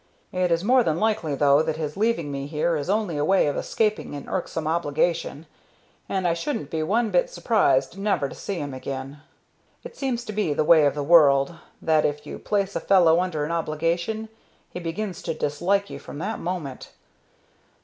It is more than likely though that his leaving me here is only a way of escaping an irksome obligation, and I shouldn't be one bit surprised never to see him again. It seems to be the way of the world, that if you place a fellow under an obligation he begins to dislike you from that moment.